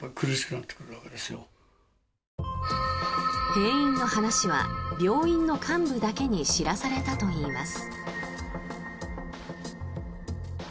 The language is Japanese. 閉院の話は病院の幹部だけに知らされたといいます。